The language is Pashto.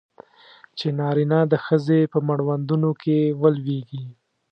چې نارینه د ښځې په مړوندونو کې ولویږي.